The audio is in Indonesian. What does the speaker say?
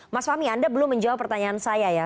mas fahmi anda belum menjawab pertanyaan saya ya